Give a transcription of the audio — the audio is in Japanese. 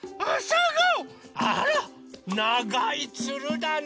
あらながいつるだね。